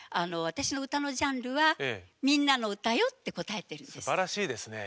「私の歌のジャンルは『みんなのうた』よ」って答えてるんです。